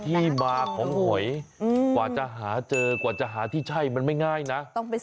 ที่มาของหอยกว่าจะหาเจอกว่าจะหาที่ใช่มันไม่ง่ายนะ